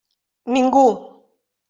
Ningú.